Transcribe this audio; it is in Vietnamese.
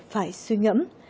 phải suy ngẫm